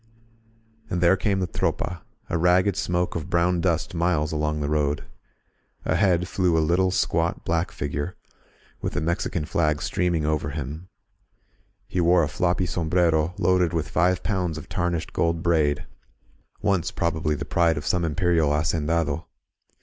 And there came the Tropa, a ragged smoke of brown dust miles along the road. Ahead flew a little, squat, black figure, with the Mexican flag streaming over him ; he wore a floppy sombrero loaded with five pounds of tarnished gold braid, — once probably the pride of some imperial hacendado.